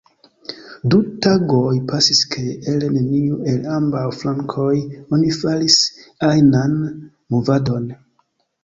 Du tagoj pasis kaj el neniu el ambaŭ flankoj oni faris ajnan movadon.